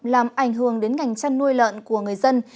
làm ảnh hưởng đến ngành chăn nuôi lợn của người dân